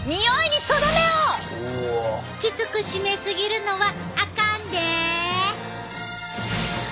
きつく締め過ぎるのはあかんで。